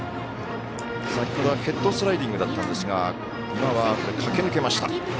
先ほどはヘッドスライディングでしたが今は駆け抜けました。